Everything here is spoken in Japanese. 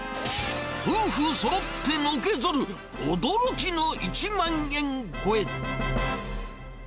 夫婦そろってのけぞる、驚きの１万円超え。